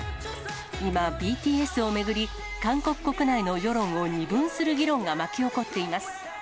今、ＢＴＳを巡り、韓国国内の世論を二分する議論が巻き起こっています。